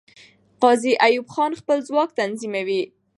غازي ایوب خان خپل ځواک تنظیموي.